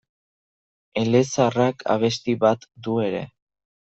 Elezaharrak abesti bat du ere.